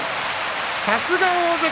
さすが大関！